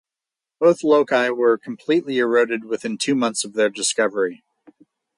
Both loci were completely eroded within two months of their discovery.